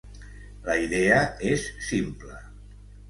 La idea és simple.